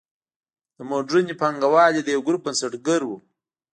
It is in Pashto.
د موډرنې بانکوالۍ د یوه ګروپ بنسټګر و.